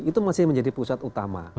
itu masih menjadi pusat utama